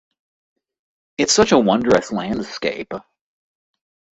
It's such a wondrous landscape.